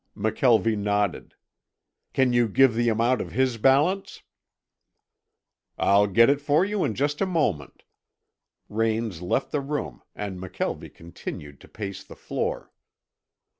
McKelvie nodded. "Can you give me the amount of his balance?" "I'll get it for you in just a moment." Raines left the room and McKelvie continued to pace the floor.